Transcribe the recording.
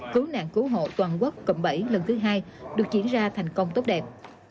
cứu nạn cứu hộ toàn quốc cộng bảy lần thứ hai được diễn ra thành công tốt đẹp